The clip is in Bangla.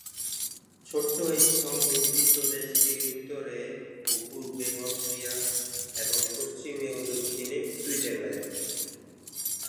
ছোট্ট এই স্থলবেষ্টিত দেশটির উত্তরে ও পূর্বে অস্ট্রিয়া, এবং পশ্চিমে ও দক্ষিণে সুইজারল্যান্ড।